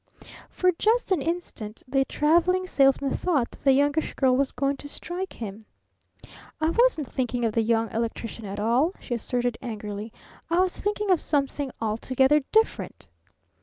For just an instant the Traveling Salesman thought that the Youngish Girl was going to strike him. "I wasn't thinking of the Young Electrician at all!" she asserted angrily. "I was thinking of something altogether different."